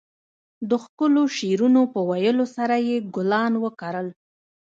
د ښکلو شعرونو په ويلو سره يې ګلان وکرل.